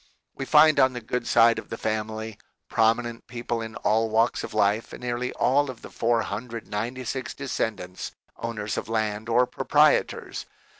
We find on the good side of the family prominent people in all walks of life and nearly all of the 496 descendants owners of land or proprietors.